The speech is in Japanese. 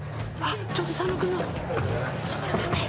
ちょっと佐野君が。